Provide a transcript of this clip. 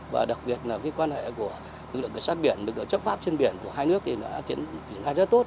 và đặc biệt là quan hệ của lực lượng chấp pháp trên biển của hai nước thì đã tiến hành rất tốt